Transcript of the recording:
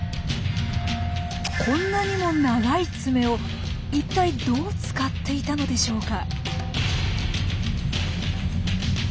こんなにも長いツメを一体どう使っていたのでしょうか。